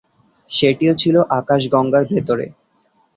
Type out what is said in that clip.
সেটিও ছিল আকাশগঙ্গার ভেতরে।